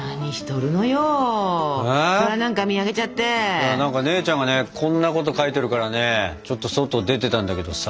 いや何か姉ちゃんがねこんなこと書いてるからねちょっと外出てたんだけどさ。